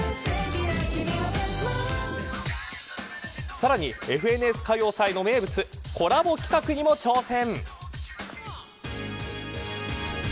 さらにＦＮＳ歌謡祭の名物コラボ企画にも挑戦。